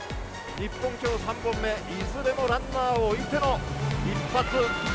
日本きょう３本目、いずれもランナーを置いての一発。